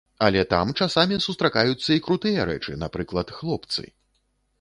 Але там часамі сустракаюцца і крутыя рэчы, напрыклад, хлопцы.